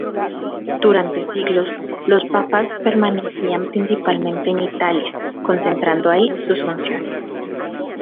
Durante siglos, los Papas permanecían principalmente en Italia concentrando ahí sus funciones.